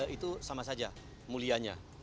itu sama saja mulianya